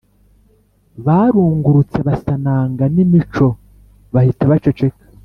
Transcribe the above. barungurutse basananga ni mico.bahita baceceka.